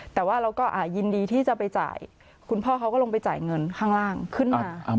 แต่ว่าเราก็ยินดีที่จะไปจ่ายคุณพ่อเขาก็ลงไปจ่ายเงินข้างล่างขึ้นมา